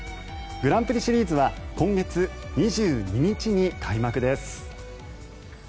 グランプリシリーズは今月２２日に開幕です。